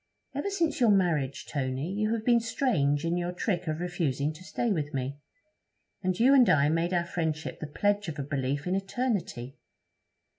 'Ever since your marriage, Tony, you have been strange in your trick of refusing to stay with me. And you and I made our friendship the pledge of a belief in eternity!